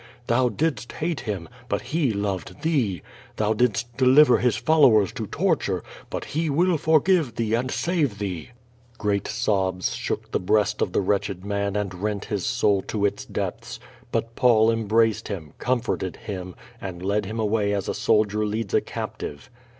Thou didst hate Him, but He loved thee. Thou didst deliver His followers to torture, but He will forgive thee and save thee/' i Great sobs shook the breast of the wreteh(|.d man and rent his soul to its depths. But Paul embraced Ihim, comforted him and led him away as a soldier leads a capi^ve.